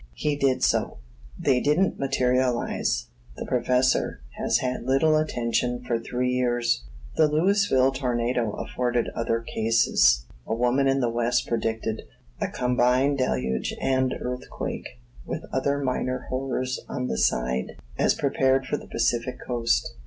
He did so. They didn't materialize. The "Prof." has had little attention for three years. The Louisville tornado afforded other cases. A woman in the west predicted a combined deluge and earthquake, with other minor horrors on the side, as prepared for the Pacific coast.